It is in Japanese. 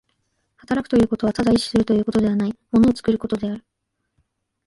働くということはただ意志するということではない、物を作ることである。